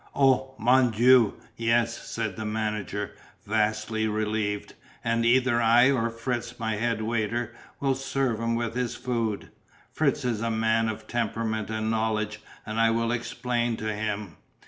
"Oh, Mon Dieu! Yes," said the manager, vastly relieved, "and either I or Fritz, my head waiter, will serve him with his food. Fritz is a man of temperament and knowledge and I will explain to him."